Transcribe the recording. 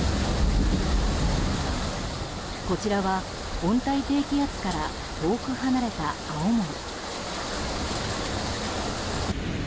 こちらは温帯低気圧から遠く離れた青森。